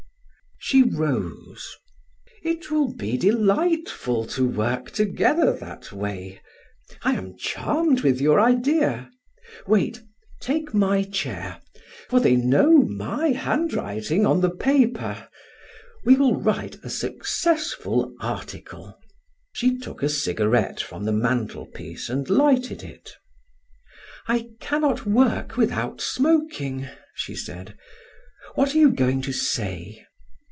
She rose. "It will be delightful to work together that way. I am charmed with your idea. Wait, take my chair, for they know my handwriting on the paper we will write a successful article." She took a cigarette from the mantelpiece and lighted it. "I cannot work without smoking," she said; "what are you going to say?"